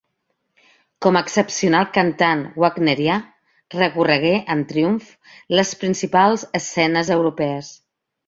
Com a excepcional cantant wagnerià, recorregué en triomf les principals escenes europees.